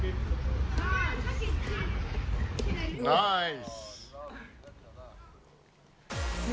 ナイス！